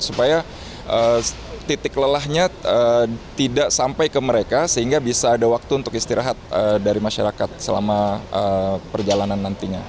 supaya titik lelahnya tidak sampai ke mereka sehingga bisa ada waktu untuk istirahat dari masyarakat selama perjalanan nantinya